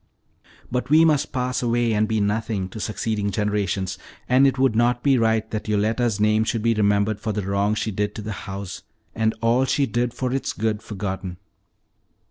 "But we must pass away and be nothing to succeeding generations, and it would not be right that Yoletta's name should be remembered for the wrong she did to the house, and all she did for its good forgotten."